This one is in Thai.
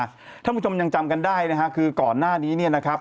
ถ้าคุณผู้ชมยังจำกันได้นะครับคือก่อนหน้านี้นะครับ